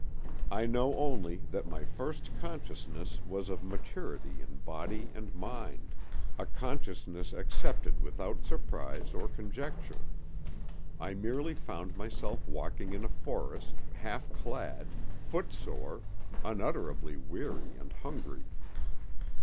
I know only that my first consciousness was of maturity in body and mind—a consciousness accepted without surprise or conjecture. I merely found myself walking in a forest, half clad, footsore, unutterably weary and hungry.